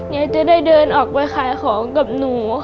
ยายจะได้เดินออกไปขายของกับหนู